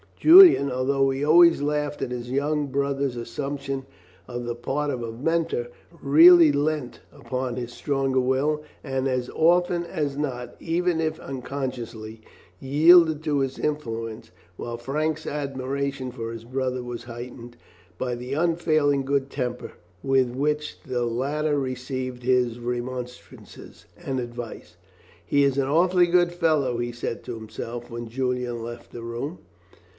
Julian, although he always laughed at his young brother's assumption of the part of mentor, really leant upon his stronger will, and as often as not, even if unconsciously, yielded to his influence, while Frank's admiration for his brother was heightened by the unfailing good temper with which the latter received his remonstrances and advice. "He is an awfully good fellow," he said to himself when Julian left the room.